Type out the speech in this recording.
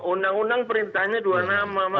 undang undang perintahnya dua nama